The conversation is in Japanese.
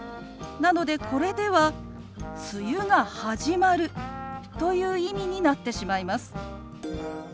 なのでこれでは「梅雨が始まる」という意味になってしまいます。